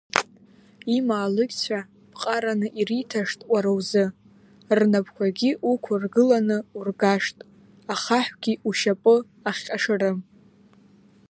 Имаалықьцәа ԥҟараны ириҭашт Уара узы, рнапқәагьы уқәыргыланы ургашт, ахаҳәгьы ушьапы ахҟьашарым.